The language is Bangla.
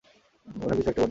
মনে হয় কিছু একটা ঘটবে।